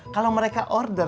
kalau mereka order